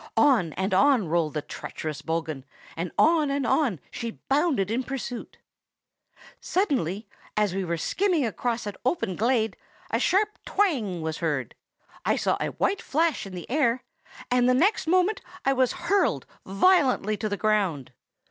On and on rolled the treacherous bogghun, and on and on she bounded in pursuit. "Suddenly, as we went skimming across an open glade, a sharp twang was heard: I saw a white flash in the air; and the next moment I was hurled violently to the ground.